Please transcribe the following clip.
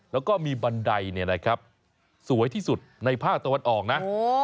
แล้วก็มีบันไดสวยที่สุดในภาคตะวัดออกนะ